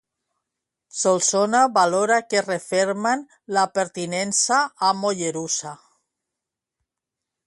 Solsona valora que refermen la pertinença a Mollerussa.